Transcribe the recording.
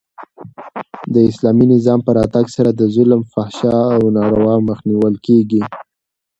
د اسلامي نظام په راتګ سره د ظلم، فحشا او ناروا مخ نیول کیږي.